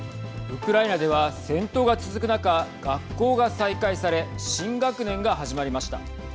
ウクライナでは戦闘が続く中学校が再開され新学年が始まりました。